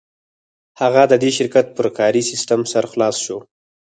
هغه د دې شرکت پر کاري سیسټم سر خلاص شو